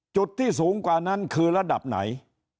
จุดที่สูงกว่านั้นคือระดับไหน